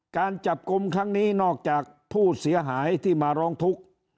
การจับกลุ่มครั้งนี้นอกจากผู้เสียหายที่มาร้องทุกข์